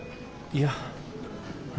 いや。